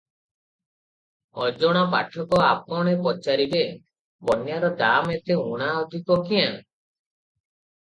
ଅଜଣା ପାଠକ ଆପଣେ ପଚାରିବେ, "କନ୍ୟାର ଦାମ ଏତେ ଊଣା ଅଧିକ କ୍ୟାଁ?